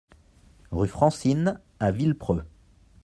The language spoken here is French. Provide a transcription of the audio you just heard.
Rue Francine à Villepreux